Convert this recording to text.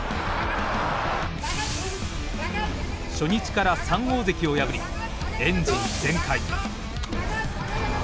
初日から三大関を破りエンジン全開。